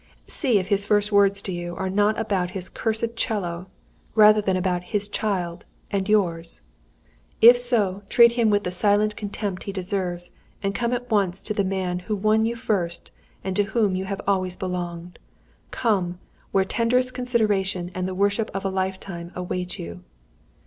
"See if his first words to you are not about his cursèd 'cello, rather than about his child and yours. "If so, treat him with the silent contempt he deserves, and come at once to the man who won you first and to whom you have always belonged; come, where tenderest consideration and the worship of a lifetime await you.